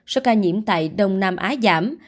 so với ca nhiễm tại đông nam á giảm